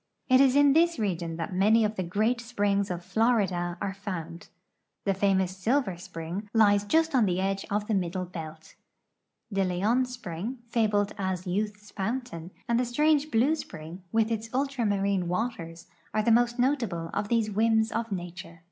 It is in this region that many of the great si)rings of Florida are found. The famous Silver si)ring lies just on the edge of 384 GEOGRAPHY OF THE SOUTH ERS RES INSULA the middle belt. De Leon .spring, fabled as youth's fountain, and the strange Blue spring, with its ultramarine waters, are the most notable of tlie.se whims of nature.